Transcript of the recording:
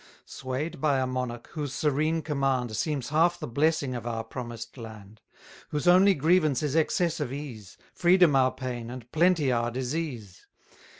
Sway'd by a monarch, whose serene command Seems half the blessing of our promised land: 30 Whose only grievance is excess of ease; Freedom our pain, and plenty our disease!